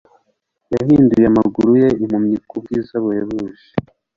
yahinduye amaguru ye impumyi kubwiza buhebuje